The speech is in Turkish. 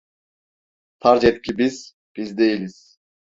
Farz et ki biz, biz değiliz.